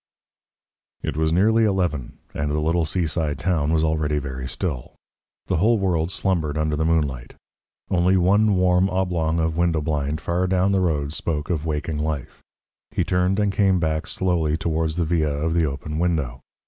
It was nearly eleven, and the little seaside town was already very still. The whole world slumbered under the moonlight. Only one warm oblong of window blind far down the road spoke of waking life. He turned and came back slowly towards the villa of the open window.